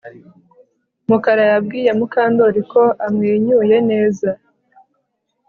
Mukara yabwiye Mukandoli ko amwenyuye neza